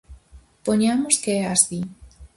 Poñamos que é así.